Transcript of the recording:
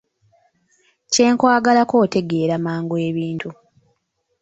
Kyenkwagalako otegeera mangu ebintu!